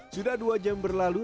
sudah dua jam berlalu